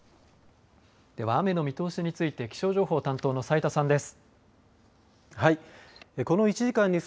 では、雨の見通しについて気象情報担当の斉田さんです。